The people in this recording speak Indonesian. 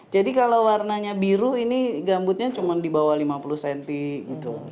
jadi kalau warnanya biru ini gambutnya cuma di bawah lima puluh cm gitu